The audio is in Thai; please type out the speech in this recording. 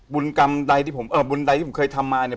บุญกรรมใดที่ผมเอ่อบุญใดที่ผมเคยทำมาเนี่ย